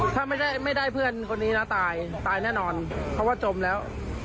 ถ้าไม่ได้เพื่อนคนนี้นะตายตายแน่นอนเพราะว่าจมแล้ว